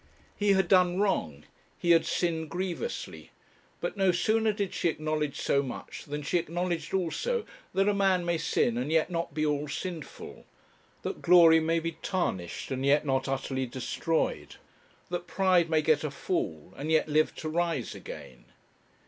He had done wrong, he had sinned grievously; but no sooner did she acknowledge so much than she acknowledged also that a man may sin and yet not be all sinful; that glory may be tarnished, and yet not utterly destroyed; that pride may get a fall, and yet live to rise again.